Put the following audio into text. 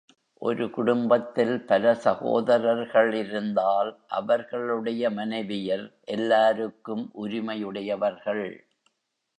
ஒரு குடும்பத்தில் பல சகோதரர்களிருந்தால், அவர்களுடைய மனைவியர், எல்லாருக்கும் உரிமையுடையவர்கள்.